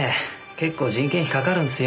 結構人件費かかるんっすよ。